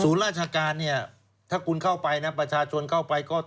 ราชการเนี่ยถ้าคุณเข้าไปนะประชาชนเข้าไปก็